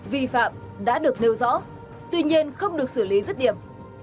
vi phạm đã được nêu rõ tuy nhiên không được xử lý rất điểm